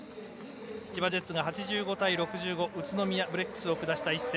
千葉ジェッツが８５対６５宇都宮ブレックスを下した一戦。